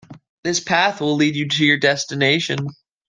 This path will lead you to your destination.